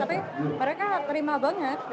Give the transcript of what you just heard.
tapi mereka terima banget